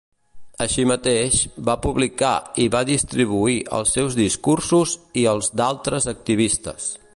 Així mateix, va publicar i va distribuir els seus discursos i els d'altres activistes.